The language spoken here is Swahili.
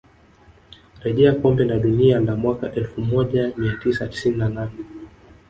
rejea kombe la dunia la mwaka elfu moja mia tisa tisini na nane